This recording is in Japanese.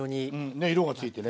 ね色がついてね